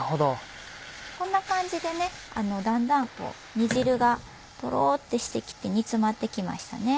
こんな感じでねだんだん煮汁がとろってしてきて煮詰まってきましたね。